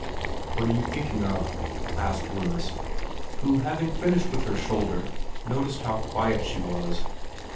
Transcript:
' What are you thinking of ?' asked Wemyss, who hav ing finished with her shoulder noticed how quiet she was.